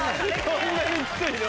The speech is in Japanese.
こんなにきついの？